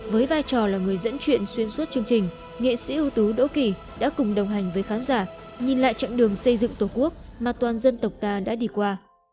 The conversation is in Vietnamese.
với vai trò là người dẫn chuyện xuyên suốt chương trình nghệ sĩ ưu tú đỗ kỳ đã cùng đồng hành với khán giả nhìn lại chặng đường xây dựng tổ quốc mà toàn dân tộc ta đã đi qua